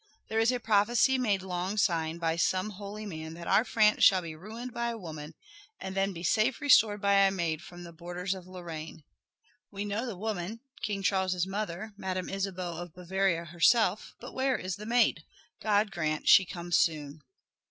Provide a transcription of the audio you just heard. "There is a prophecy made long syne by some holy man that our France shall be ruined by a woman and then be safe restored by a maid from the borders of Lorraine. We know the woman, King Charles' mother, Madame Isabeau of Bavaria herself; but where is the maid? God grant she come soon!"